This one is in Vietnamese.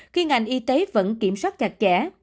khi ngành y tế vẫn kiểm soát chặt chẽ